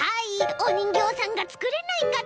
おにんぎょうさんがつくれないかと。